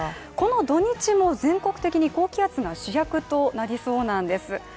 この土日も全国的に高気圧が主役となりそうなんです。